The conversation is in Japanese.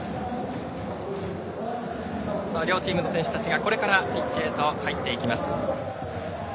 両チームの選手たちがこれからピッチへと入っていきます。